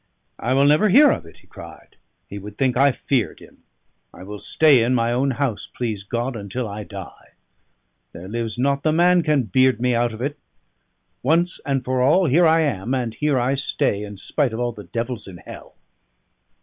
"I will never hear of it," he cried; "he would think I feared him. I will stay in my own house, please God, until I die. There lives not the man can beard me out of it. Once and for all, here I am, and here I stay, in spite of all the devils in hell."